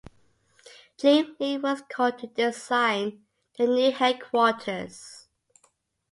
Jim Lee was called to design the new headquarters.